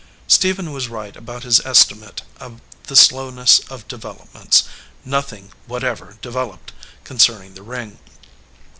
Stephen was right about his estimate of the slow ness of developments. Nothing whatever devel oped concerning the ring.